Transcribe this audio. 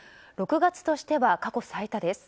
６月としては過去最多です。